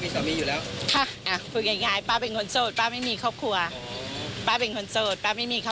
แต่อย่างป้าเองท่านก็มีสามีอยู่แล้วพอเราก็ทำอะไรปั้งค่ะ